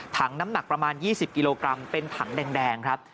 น้ำหนักประมาณ๒๐กิโลกรัมเป็นถังแดงครับ